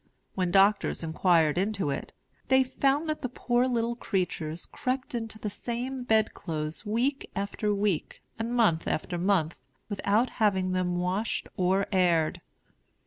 When doctors inquired into it, they found that the poor little creatures crept into the same bedclothes week after week, and month after month, without having them washed or aired.